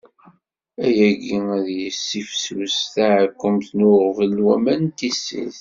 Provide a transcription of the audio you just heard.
Ayagi ad yessifsus taɛkkemt n uɣbel n waman n tissit.